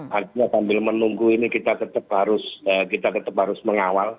artinya sambil menunggu ini kita tetap harus mengawal